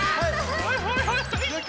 はいはいはいはい！